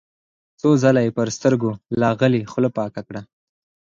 څو ځله يې پر سترګو لاغلې خوله پاکه کړه.